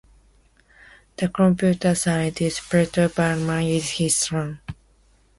The computer scientist Peter Buneman is his son.